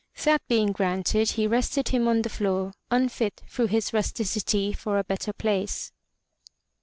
That being granted, he rested him on the floor, unfit through his rusticity for a better place.